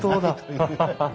ハハハハッ。